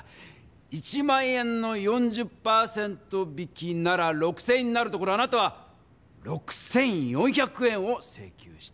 １００００円の４０％引きなら６０００円になるところあなたは６４００円をせいきゅうした。